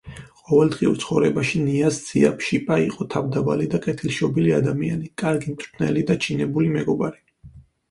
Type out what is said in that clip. ყოველდღიურ ცხოვრებაში ნიაზ ძიაპშიპა იყო თავმდაბალი და კეთილშობილი ადამიანი, კარგი მწვრთნელი და ჩინებული მეგობარი.